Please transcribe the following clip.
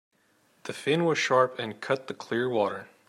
The fin was sharp and cut the clear water.